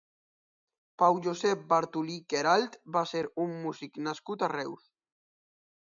Pau Josep Bartulí Queralt va ser un músic nascut a Reus.